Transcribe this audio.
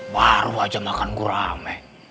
baru aja makan gurame